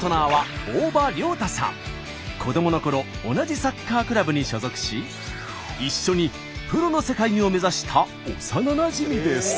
子どものころ同じサッカークラブに所属し一緒にプロの世界を目指した幼なじみです。